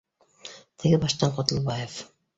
Теғе баштан Ҡотлобаев: